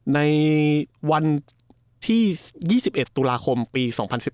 ในวันที่๒๑ตุลาคมปี๒๐๑๘